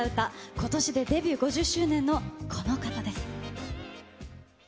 ことしでデビュー５０周年のこの方です。